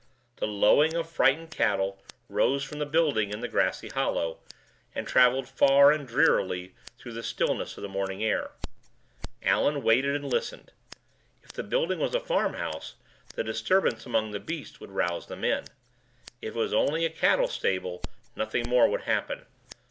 The lowing of frightened cattle rose from the building in the grassy hollow, and traveled far and drearily through the stillness of the morning air. Allan waited and listened. If the building was a farmhouse the disturbance among the beasts would rouse the men. If it was only a cattle stable, nothing more would happen.